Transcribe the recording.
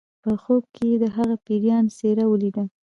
په خوب کې یې د هغه پیریان څیره ولیده